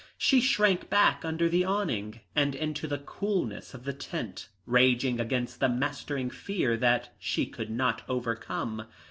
She shrank back under the awning and into the coolness of the tent, raging against the mastering fear that she could not overcome.